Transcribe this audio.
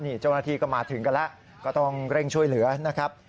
นี่เจ้าหน้าที่ก็มาถึงกันแล้วก็ต้องเร่งช่วยเหลือนะครับ